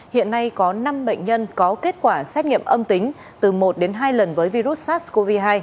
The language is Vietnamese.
hiện nay có năm bệnh nhân có kết quả xét nghiệm âm tính từ một đến hai lần với virus sars cov hai